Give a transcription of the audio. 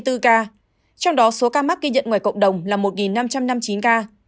trong đó số ca mắc ghi nhận ngoài cộng đồng là một năm trăm năm mươi chín ca